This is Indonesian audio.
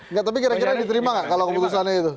enggak tapi kira kira diterima nggak kalau keputusannya itu